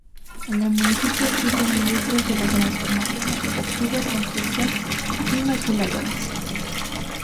En el municipio existen industrias de la transformación, extractivas, construcción, y maquiladoras.